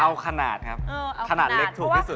เอาขนาดครับขนาดเล็กถูกที่สุด